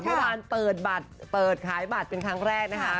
เมื่อวานเปิดบัตรเปิดขายบัตรเป็นครั้งแรกนะคะ